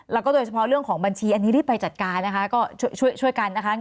แล้วก็โดยเฉพาะเรื่องของบัญชีอันนี้รีบไปจัดการนะคะก็ช่วยกันนะคะ